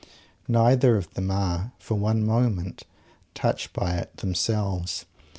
Neither of them are, for one moment, touched by it themselves.